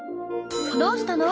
どうしたの？